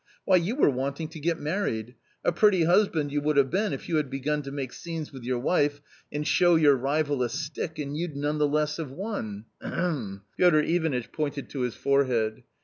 Why, you were wanting to get married ! a pretty husband you would have been, if you had begun to make scenes with youi wife and show your rival a stick, and you'd none the less have won — ahem !" Piotr Ivanitch pointed to his forehead.